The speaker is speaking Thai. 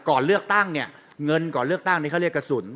ก่อนเลือกตั้งเนี่ยเงินก่อนเลือกตั้งนี้เขาเรียกกระสุน